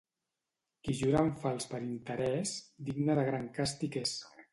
Qui jura en fals per interès, digne de gran càstig és.